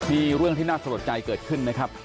มีเรื่องที่น่าสะลดใจเกิดขึ้นนะครับ